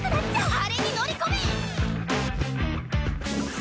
あれに乗り込め！